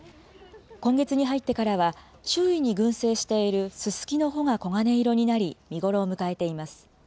今月に入ってからは、周囲に群生しているススキの穂が黄金色になり、見頃を迎えています。